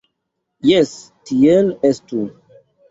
Jes, tiel estu.